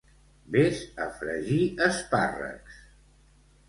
Ves a fregir espàrrecs